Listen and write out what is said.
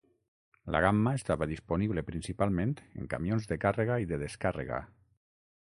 La gamma estava disponible principalment en camions de càrrega i de descàrrega.